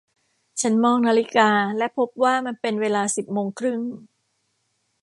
ฉันมองนาฬิกาและพบว่ามันเป็นเวลาสิบโมงครึ่ง